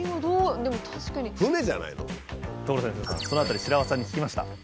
その辺り白輪さんに聞きました。